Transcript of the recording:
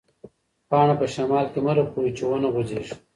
پاڼه په شمال کې مه رپوئ چې ونه غوځېږي.